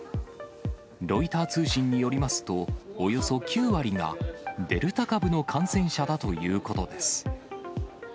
ロイター通信によりますと、およそ９割が、デルタ株の感染者だということです。